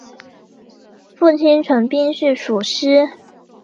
父亲陈彬是塾师。